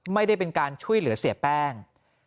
ไม่ได้เป็นการช่วยเหลือเสียแป้ง